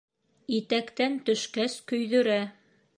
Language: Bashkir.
Итәктән төшкәс көйҙөрә.